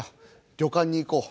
旅館に行こう。